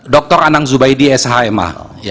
dr anang zubaidi shma